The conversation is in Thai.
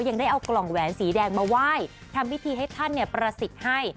ยังได้เอากล่องแหวนสีแดงมาไหว้ทำพิธีให้ท่านประสิทธิ์ให้